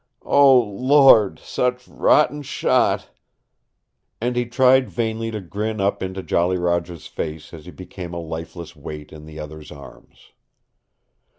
Oh, Lord such rotten shot " And he tried vainly to grin up into Jolly Roger's face as he became a lifeless weight in the other's arms.